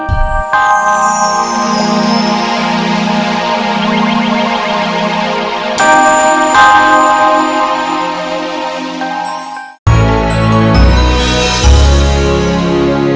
udah anti kok